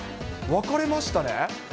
分かれましたね。